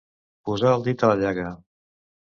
Posar el dit a la llaga.